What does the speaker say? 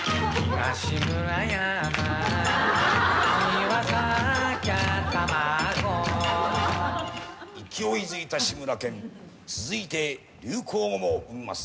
「庭先きゃ多摩湖」勢いづいた志村けん続いて流行語も生みます。